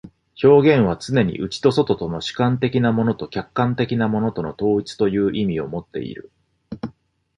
表現はつねに内と外との、主観的なものと客観的なものとの統一という意味をもっている。